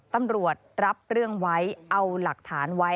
ตำรวจรับเรื่องไว้เอาหลักฐานไว้